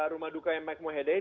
rumah duka yang mike mau hedeh